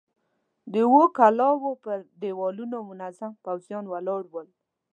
د اوو کلاوو پر دېوالونو منظم پوځيان ولاړ ول.